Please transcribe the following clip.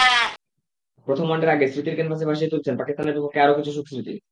প্রথম ওয়ানডের আগে স্মৃতির ক্যানভাসে ভাসিয়ে তুলছেন পাকিস্তানের বিপক্ষে আরও কিছু সুখস্মৃতি।